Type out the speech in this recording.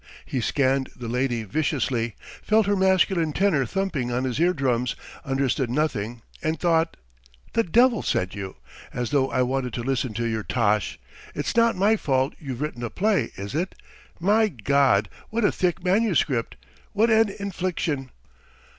He scanned the lady viciously, felt her masculine tenor thumping on his eardrums, understood nothing, and thought: "The devil sent you ... as though I wanted to listen to your tosh! It's not my fault you've written a play, is it? My God! what a thick manuscript! What an infliction!"